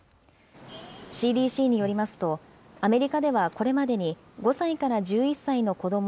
ＣＤＣによりますと、アメリカではこれまでに５歳から１１歳の子ども